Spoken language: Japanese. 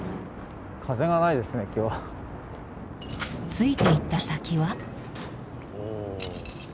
ついていった先は。